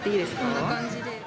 こんな感じで。